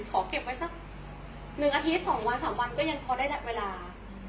ขอเก็บไว้สัก๑อาทิตย์๒วัน๓วันก็ยังพอได้ดับเวลา